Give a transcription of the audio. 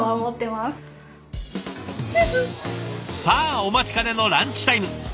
さあお待ちかねのランチタイム！